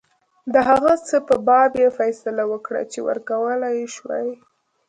د هغه څه په باب یې فیصله وکړه چې ورکولای یې شوای.